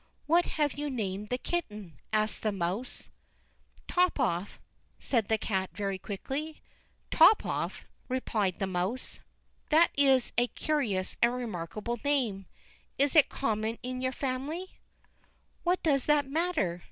"What have you named the kitten?" asked the mouse. "Top off!" said the cat very quickly. "Top off!" replied the mouse; "that is a curious and remarkable name; is it common in your family?" "What does that matter?"